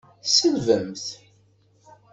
Tselbemt.